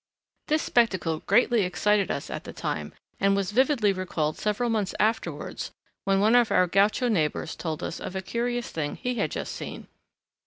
This spectacle greatly excited us at the time and was vividly recalled several months afterwards when one of our gaucho neighbours told us of a curious thing he had just seen.